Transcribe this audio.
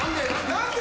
何で？